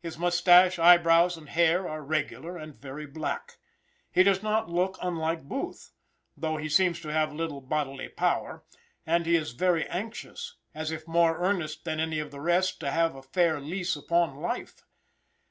His moustache, eye brows, and hair are regular and very black. He does not look unlike Booth, though he seems to have little bodily power, and he is very anxious, as if more earnest than any of the rest, to have a fair lease upon life.